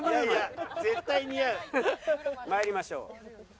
参りましょう。